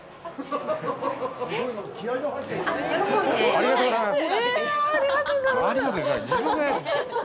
ありがとうございます。